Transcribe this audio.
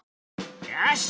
よし！